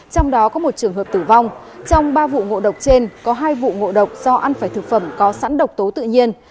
trong ba vụ ngộ độc trên có hai vụ ngộ độc do ăn phải thực phẩm có sẵn độc tố tự nhiên